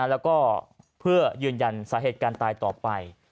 แล้วก็เพื่อยืนยันสาเหตุการตายต่อไป